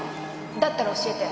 だったら教えて。